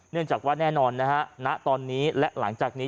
เนื่องจากว่าแน่นอนนะฮะณตอนนี้และหลังจากนี้